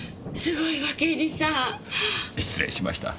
失礼しました。